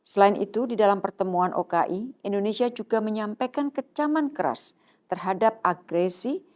selain itu di dalam pertemuan oki indonesia juga menyampaikan kecaman keras terhadap agresi